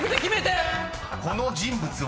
［この人物は？］